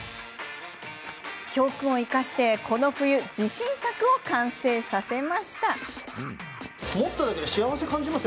教訓を生かしてこの冬、自信作を完成させました。